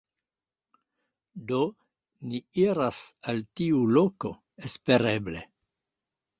Do, ni iras al tiu loko, espereble